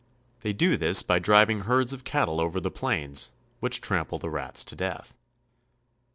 They do this by driving herds of cattle over the plains, which trample the rats to death.